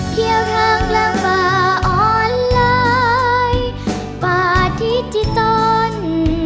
เที่ยวทางกลางป่าออนไลน์ป่าทิศที่ตอน